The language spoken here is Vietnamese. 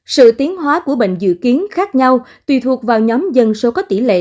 sự tiến hóa của bệnh dự kiến khác nhau tùy thuộc vào nhóm dân số có tỷ lệ